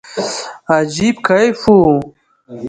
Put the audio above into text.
عجيب کيف وو.